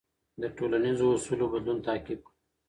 د ټولنیزو اصولو بدلون تعقیب کړه.